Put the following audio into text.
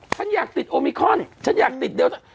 ฉันอยากติดโอมิคอนฉันอยากติดเร็ว